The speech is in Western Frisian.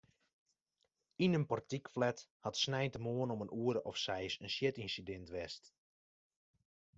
Yn in portykflat hat sneintemoarn om in oere of seis in sjitynsidint west.